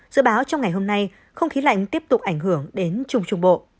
dự báo trong ngày hôm nay không khí lạnh tiếp tục ảnh hưởng đến trung trung bộ